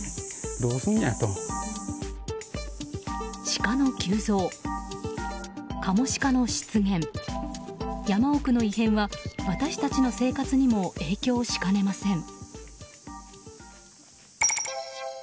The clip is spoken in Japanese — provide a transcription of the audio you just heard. シカの急増カモシカの出現山奥の異変は、私たちの生活にも影響しかねません。